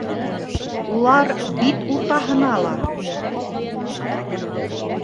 Улар бит уртаһына ла